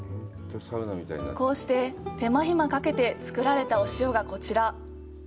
こうして手間暇かけて作られたお塩がこちら。